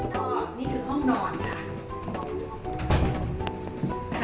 ก็นี่คือห้องนอนค่ะ